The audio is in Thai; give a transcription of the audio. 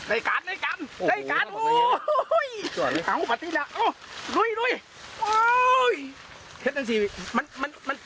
ไอ้กันไอ้กัน